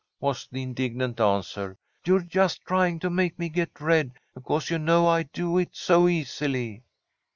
was the indignant answer. "You're just trying to make me get red, because you know I do it so easily."